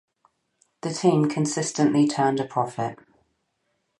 The team consistently turned a profit.